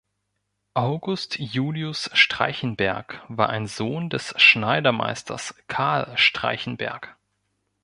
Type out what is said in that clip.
August Julius Streichenberg war ein Sohn des Schneidermeisters Carl Streichenberg.